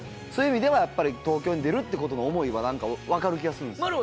そういう意味ではやっぱり東京に出るってことの思いは分かる気がするんです。